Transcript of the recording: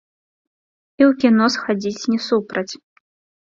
І ў кіно схадзіць не супраць.